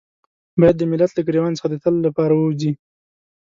بايد د ملت له ګرېوان څخه د تل لپاره ووځي.